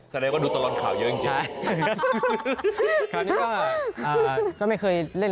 แสดงว่าดูตอนร้อนข่าวเยอะจังเจ๋ง